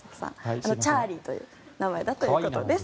チャーリーという名前だということです。